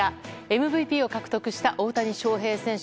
ＭＶＰを獲得した大谷翔平選手。